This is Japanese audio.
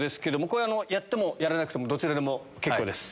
これやってもやらなくてもどちらでも結構です。